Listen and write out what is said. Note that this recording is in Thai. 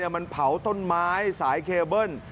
มันเผาต้นไม้สายเคเบิ้ล